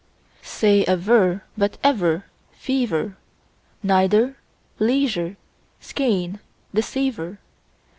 Say aver, but ever, fever, Neither, leisure, skein, receiver.